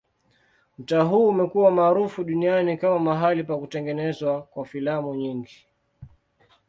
Mtaa huu umekuwa maarufu duniani kama mahali pa kutengenezwa kwa filamu nyingi.